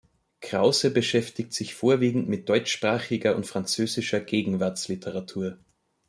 Krause beschäftigt sich vorwiegend mit deutschsprachiger und französischer Gegenwartsliteratur.